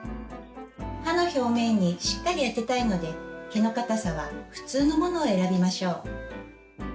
歯の表面にしっかり当てたいので毛の固さは「ふつう」のものを選びましょう。